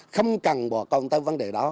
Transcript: không cần bộ công tới vấn đề đó